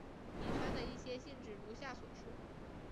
乙酸的一些性质如下所述。